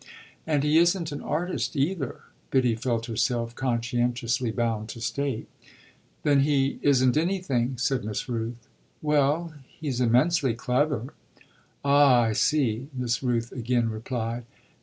"And he isn't an artist either," Biddy felt herself conscientiously bound to state. "Then he isn't anything," said Miss Rooth. "Well he's immensely clever." "Ah I see," Miss Rooth again replied.